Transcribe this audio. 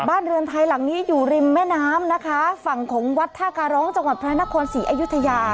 เรือนไทยหลังนี้อยู่ริมแม่น้ำนะคะฝั่งของวัดท่าการร้องจังหวัดพระนครศรีอยุธยา